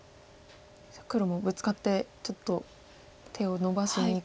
黒もブツカってちょっと手をのばしにいくと。